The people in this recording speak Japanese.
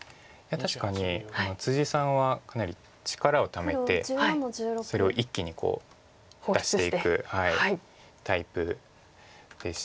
確かにさんはかなり力をためてそれを一気に出していくタイプでして。